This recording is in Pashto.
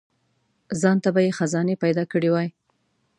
ځانته به یې خزانې پیدا کړي وای.